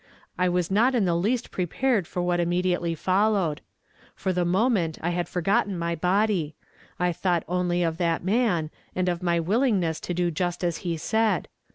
I was not in the least prepared for what immediately followed. For the moment, I had "WHO HEALETH ALL THY DISEASES. 49 forgotten my body. I thought only of that man, and of my willingness to do just as he said.